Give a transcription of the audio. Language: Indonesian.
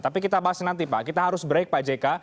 tapi kita bahas nanti pak kita harus break pak jk